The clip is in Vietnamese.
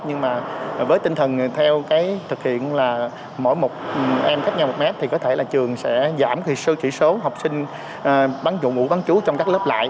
nhưng mà với tinh thần theo cái thực hiện là mỗi một em cách nhau một mét thì có thể là trường sẽ giảm sơ chỉ số học sinh bán dụng ngủ bán trú trong các lớp lại